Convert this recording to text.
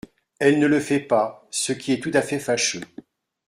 Elle ne le fait pas, ce qui est tout à fait fâcheux.